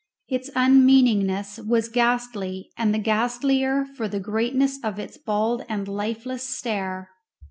Its unmeaningness was ghastly, and the ghastlier for the greatness of its bald and lifeless stare.